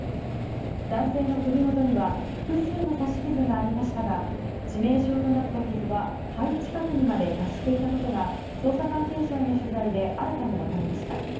男性の首元には複数の刺し傷がありましたが致命傷となった傷は肺近くにまで達していたことが捜査関係者への取材で新たに分かりました。